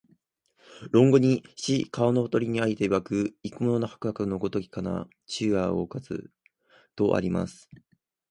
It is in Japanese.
論語に、「子、川のほとりに在りていわく、逝く者はかくの如きかな、昼夜をおかず」とあります